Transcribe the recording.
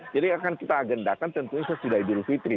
jadi akan kita agendakan tentunya sesudah idul fitri